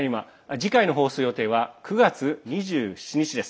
次回の放送予定は９月２７日です。